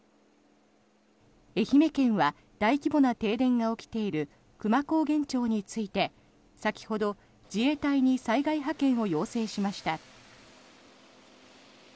愛媛県は大規模な停電が起きている久万高原町について先ほど、自衛隊に災害派遣を要請しました。